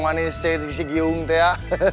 sama si tee